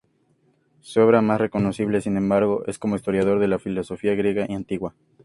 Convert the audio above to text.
Su obra más reconocida, sin embargo, es como historiador de la filosofía griega antigua.